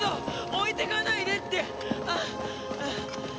置いてかないでって！